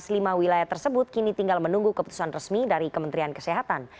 lima wilayah tersebut kini tinggal menunggu keputusan resmi dari kementerian kesehatan